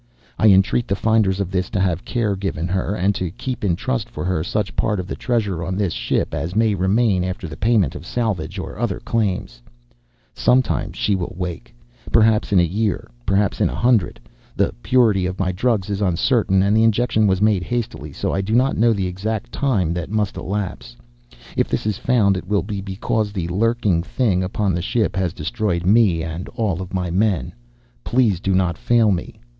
"I entreat the finders of this to have care given her, and to keep in trust for her such part of the treasure on this ship as may remain after the payment of salvage or other claims. "Sometime she will wake. Perhaps in a year, perhaps in a hundred. The purity of my drugs is uncertain, and the injection was made hastily, so I do not know the exact time that must elapse. "If this is found, it will be because the lurking thing upon the ship has destroyed me and all my men. "Please do not fail me.